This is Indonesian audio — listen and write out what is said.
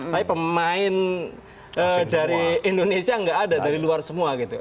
tapi pemain dari indonesia nggak ada dari luar semua gitu